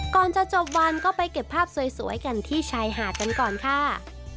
ก่อนจะจบวันก็ไปเก็บภาพสวยกันที่ชายหาดกันก่อนค่ะ